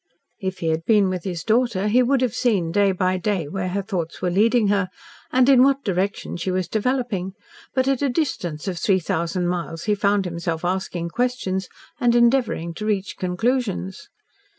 If he had been with his daughter, he would have seen, day by day, where her thoughts were leading her, and in what direction she was developing, but, at a distance of three thousand miles, he found himself asking questions, and endeavouring to reach conclusions.